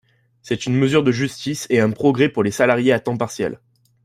C’est une mesure de justice et un progrès pour les salariés à temps partiel.